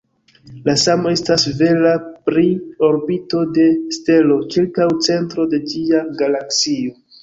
La samo estas vera pri orbito de stelo ĉirkaŭ centro de ĝia galaksio.